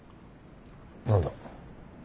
何だ。